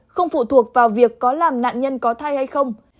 không phụ thuộc vào việc có làm nạn nhân có thai hay không